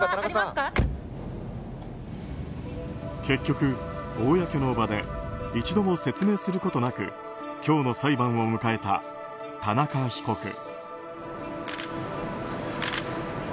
結局、公の場で一度も説明することなく今日の裁判を迎えた田中被告。